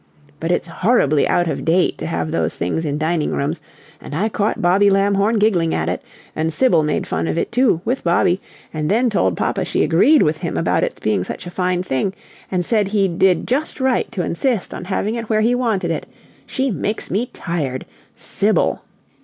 But it's horribly out of date to have those things in dining rooms, and I caught Bobby Lamhorn giggling at it; and Sibyl made fun of it, too, with Bobby, and then told papa she agreed with him about its being such a fine thing, and said he did just right to insist on having it where he wanted it. She makes me tired! Sibyl!"